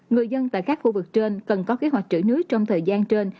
người dân tại các khu vực trên cần có kế hoạch trữ nước trong thời gian trên